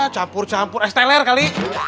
campur campur es teler kali